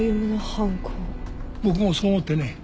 僕もそう思ってね